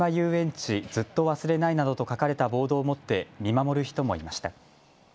ちずっとわすれないなどと書かれたボードを持って見守る人もいました。